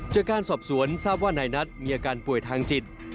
จากการสอบสวนทราบว่านายนัทมีอาการป่วยทางจิต